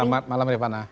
selamat malam riva na